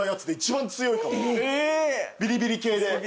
ビリビリ系で。